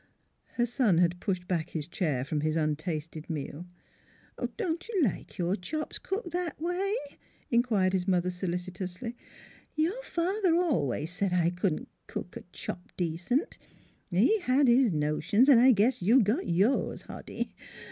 " Her son had pushed back his chair from his untasted meal. " Don't you like your chops cooked that way?" inquired his mother solicitously. "Your father always said I couldn't cook a chop decent. ... He had his notions, an' I guess you got yours, Hoddy. ..